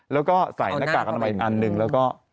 แล้วก็ใส่หน้ากากอนามัยอันหนึ่งแล้วก็